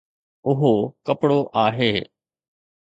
اهو ڪپڙو آهي